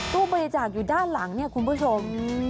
ตู้บริจาคอยู่ด้านหลังเนี่ยคุณผู้ชม